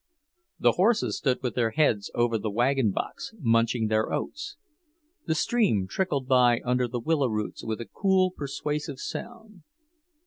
The horses stood with their heads over the wagon box, munching their oats. The stream trickled by under the willow roots with a cool, persuasive sound.